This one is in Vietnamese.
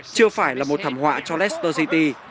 chưa phải là một thảm họa cho leicester city